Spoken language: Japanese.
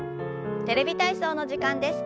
「テレビ体操」の時間です。